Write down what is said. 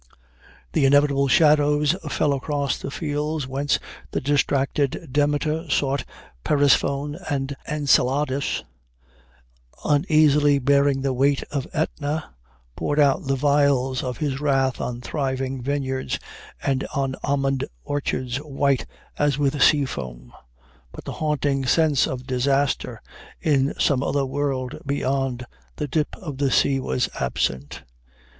The inevitable shadows fell across the fields whence the distracted Demeter sought Persephone, and Enceladus, uneasily bearing the weight of Ætna, poured out the vials of his wrath on thriving vineyards and on almond orchards white as with sea foam; but the haunting sense of disaster in some other world beyond the dip of the sea was absent.